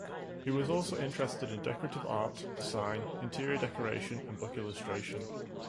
He was also interested in decorative art, design, interior decoration and book illustration.